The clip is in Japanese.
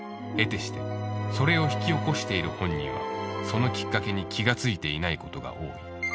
［得てしてそれを引き起こしている本人はそのきっかけに気が付いていないことが多い］